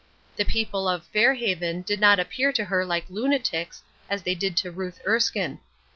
The people of "Fair Haven" did not appear to her like lunatics, as they did to Ruth Erskine.